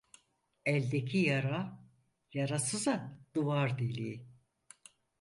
Eldeki yara, yarasıza duvar deliği.